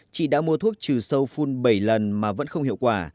chị đã mua thuốc trừ sâu phun bảy lần mà vẫn không hiệu quả